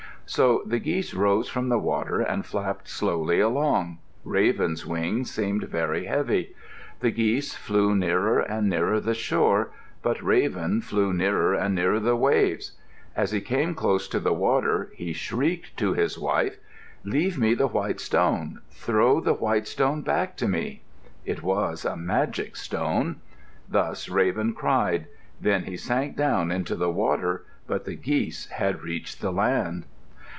So the geese rose from the water and flapped slowly along. Raven's wings seemed very heavy. The geese flew nearer and nearer the shore; but Raven flew nearer and nearer the waves. As he came close to the water he shrieked to his wife, "Leave me the white stone. Throw the white stone back to me." It was a magic stone. Thus Raven cried. Then he sank down into the water, but the geese had reached the land.